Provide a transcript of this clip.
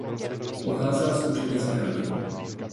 Pocházela z úřednické rodiny.